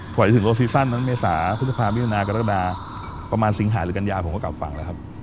ถ่วยถึงโลกซีซั่นเมษาพฤษภาพมิวนากรดาประมาณสิงหาหรือกันยาผมก็กลับฝั่งแล้วครับ